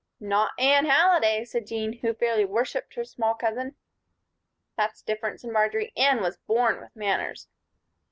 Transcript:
"Not Anne Halliday," said Jean, who fairly worshiped her small cousin. "That's different," said Marjory. "Anne was born with manners."